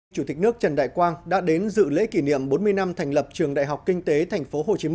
chủ tịch nước trần đại quang đã đến dự lễ kỷ niệm bốn mươi năm thành lập trường đại học kinh tế tp hcm